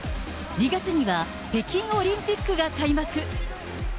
２月には北京オリンピックが開幕。